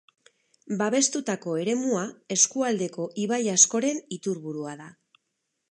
Babestutako eremua eskualdeko ibai askoren iturburua da.